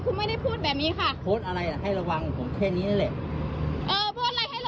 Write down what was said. หมาที่มันตายเนี่ยได้ตั้งแต่เมื่อวานค่ะ